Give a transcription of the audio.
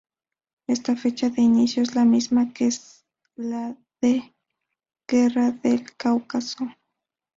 Esta fecha de inicio es la misma que de la guerra del Cáucaso.